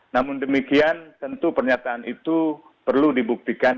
namun demikian tentu pernyataan itu perlu dibuktikan